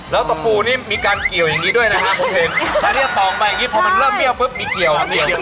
แล้วตะปูนี่มีการเกี่ยวอย่างนี้ด้วยนะฮะมีเกี่ยว